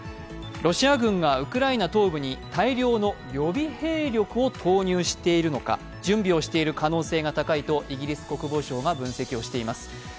ロシア軍がウクライナ東部に大量の予備兵力を投入しているのか準備をしている可能性が高いとイギリス国防省が分析をしています。